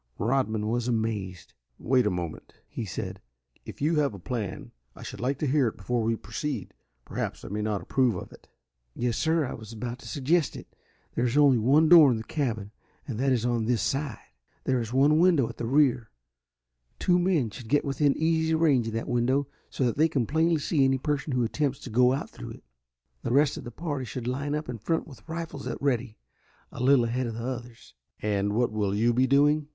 Rodman was amazed. "Wait a moment," he said. "If you have a plan I should like to hear it before we proceed. Perhaps I may not approve of it." "Yes, sir, I was about to suggest it. There is only one door in the cabin, and that is on this side. There is one window at the rear. Two men should get within easy range of that window, so they can plainly see any person who attempts to go out through it. The rest of the party should line up in front with rifles at ready, a little ahead of the others." "And what will you be doing?"